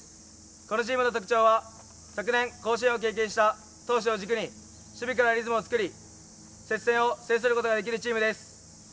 このチームの特徴は昨年甲子園を経験した投手を軸に守備からリズムを作り、接戦を制することができるチームです。